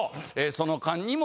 その間にも。